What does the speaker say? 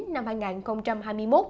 chín năm hai nghìn hai mươi một